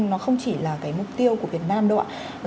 nó không chỉ là cái mục tiêu của việt nam đâu ạ